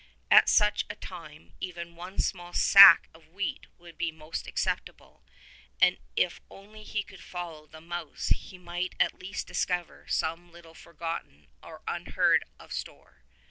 At such a time even one small sack of wheat would be most acceptable, and if only he could follow the mouse he might at least discover some little forgotten or unheard of store.